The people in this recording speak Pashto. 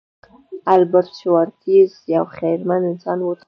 البرټ شوایتزر یو خیرمن انسان و.